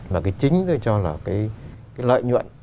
mà cái chính tôi cho là cái lợi nhuận